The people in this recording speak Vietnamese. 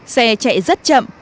xe chạy rất chậm